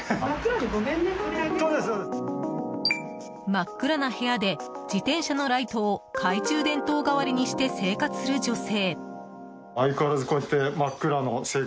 真っ暗な部屋で自転車のライトを懐中電灯代わりにして生活する女性。